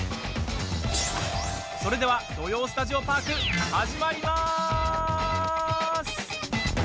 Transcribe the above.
それでは「土曜スタジオパーク」始まりまーす！